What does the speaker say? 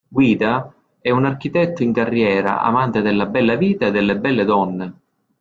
Guida è un architetto in carriera amante della bella vita e delle belle donne.